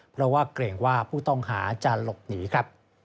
เพราะว่าเกรงว่าผู้ต้องหาจะหลบหนีครับ